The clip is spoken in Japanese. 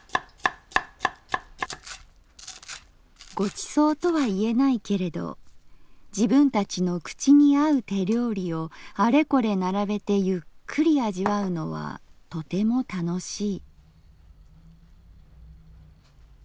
「ご馳走とは言えないけれど自分たちの口にあう手料理をあれこれ並べてゆっくり味わうのはとても楽しい」。